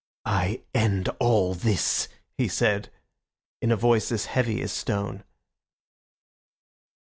"I end all this!" he said, in a voice as heavy as stone.